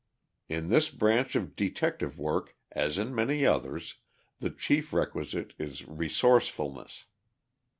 In this branch of detective work, as in many others, the chief requisite is resourcefulness.